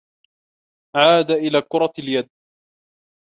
عاد إلى كرة اليد.